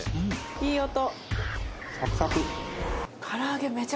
いい音！